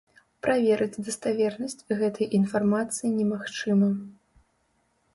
Праверыць даставернасць гэтай інфармацыі немагчыма.